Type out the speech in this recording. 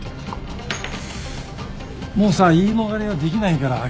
もうさ言い逃れはできないから諦めてよ。